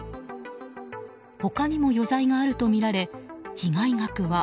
他にも余罪があるとみられ被害額は